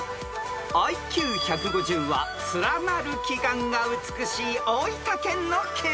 ［ＩＱ１５０は連なる奇岩が美しい大分県の景勝地です］